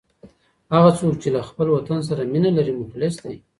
هغه څوک چي له وطن سره مینه لري، مخلص دی.